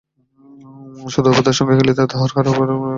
শুধু অপুদার সঙ্গে খেলিতে, আর কাহারও সঙ্গে সে বড় একটা মেশে না।